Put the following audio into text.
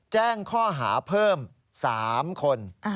แจ้งข้อหาเพิ่ม๓คน